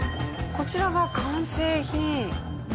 こちらが完成品。